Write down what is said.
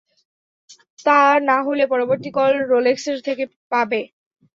তা নাহলে পরবর্তী কল রোলেক্সের থেকে পাবে।